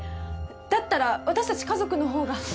だったら私たち家族のほうが。